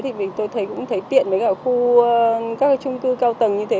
thì mình tôi thấy cũng thấy tiện với cả khu các trung cư cao tầng như thế